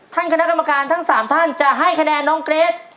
คณะกรรมการทั้ง๓ท่านจะให้คะแนนน้องเกรท